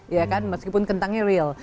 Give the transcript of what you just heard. ya kan meskipun kentangnya real